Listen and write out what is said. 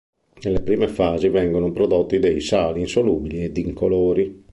Nelle prime fasi vengono prodotti dei sali insolubili ed incolori.